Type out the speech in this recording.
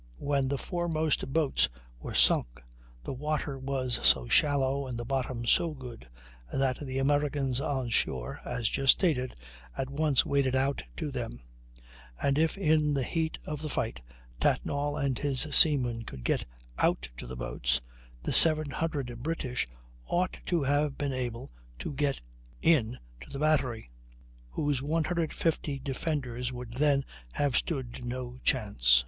When the foremost boats were sunk, the water was so shallow and the bottom so good that the Americans on shore, as just stated, at once waded out to them; and if in the heat of the fight Tatnall and his seamen could get out to the boats, the 700 British ought to have been able to get in to the battery, whose 150 defenders would then have stood no chance.